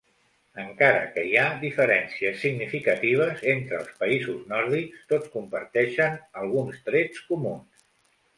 Encara que hi ha diferències significatives entre els països nòrdics, tots comparteixen alguns trets comuns.